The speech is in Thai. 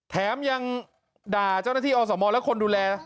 แถมยังด่าเจ้าหน้าที่อสมและคนดูแล